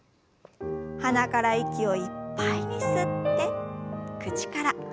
鼻から息をいっぱいに吸って口から吐きましょう。